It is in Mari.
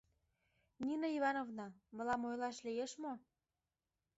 — Нина Ивановна, мылам ойлаш лиеш мо?